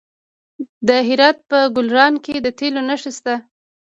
د هرات په ګلران کې د تیلو نښې شته.